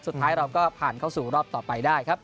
สุดท้ายเราก็ผ่านเข้าสู่รอบต่อไปได้ครับ